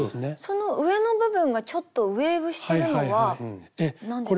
その上の部分がちょっとウエーブしてるのは何でなんですか？